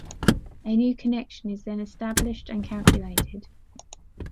A new connection is then established and calculated.